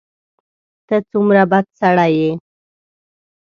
ته څومره بد سړی یې !